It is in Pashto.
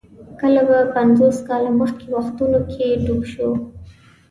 کله به پنځوس کاله مخکې وختونو کې ډوب شو.